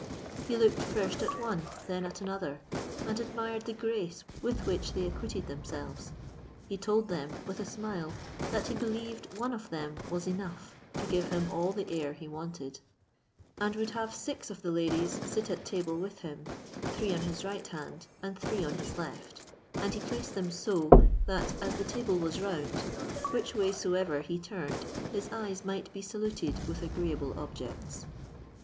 He looked first at one, then at another, and admired the grace with which they acquitted themselves. He told them with a smile, that he believed one of them was enough to give him all the air he wanted, and would have six of the ladies sit at table with him, three on his right hand, and three on his left; and he placed them so, that as the table was round, which way soever he turned, his eyes might be saluted with agreeable objects.